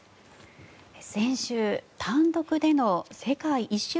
先週単独での世界一周